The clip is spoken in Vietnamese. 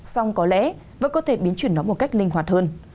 xong có lẽ vẫn có thể biến chuyển nó một cách linh hoạt hơn